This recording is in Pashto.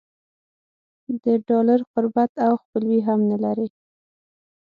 د ډالر قربت او خپلوي هم نه لري.